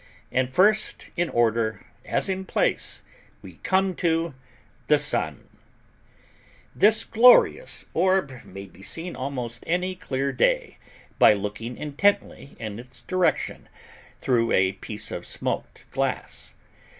And, first in order, as in place, we come to THE SUN This glorious orb may be seen almost any clear day, by looking intently in its direction, through a piece of smoked glass.